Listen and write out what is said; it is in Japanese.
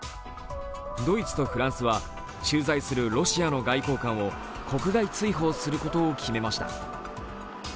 ドイツとフランスは駐在するロシアの外交官を国外追放することを決めました。